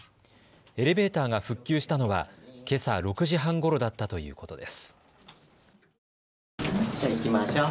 エレベーターが復旧したのはけさ６時半ごろだったということです。